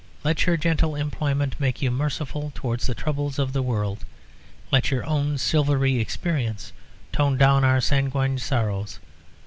Let your gentle employment make you merciful towards the troubles of the world. Let your own silvery experience tone down our sanguine sorrows.